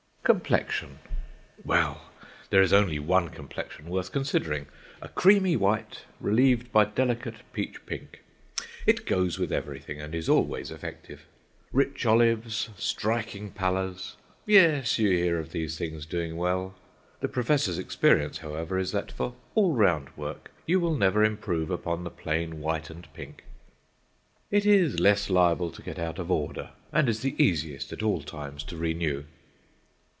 Complexion! Well, there is only one complexion worth considering—a creamy white, relieved by delicate peach pink. It goes with everything, and is always effective. Rich olives, striking pallors—yes, you hear of these things doing well. The professor's experience, however, is that for all round work you will never improve upon the plain white and pink. It is less liable to get out of order, and is the easiest at all times to renew.